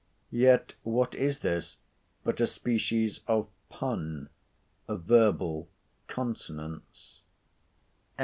Yet what is this but a species of pun, a verbal consonance?